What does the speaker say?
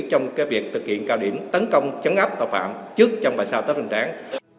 trong việc thực hiện cao điểm tấn công chấn áp tàu phạm trước trong bài sao tết hình tráng